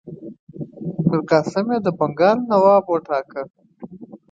میرقاسم یې د بنګال نواب وټاکه.